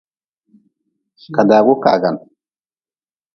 Kadagu kaagan.